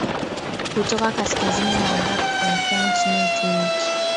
kutoka kaskazini mwa iraq kuelekea nchi uturuki